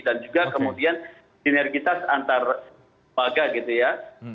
dan juga kemudian sinergitas antar lembaga gitu ya